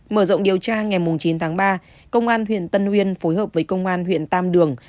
mở rộng điều tra ngày chín tháng ba công an huyện tân uyên phối hợp với công an huyện tam đường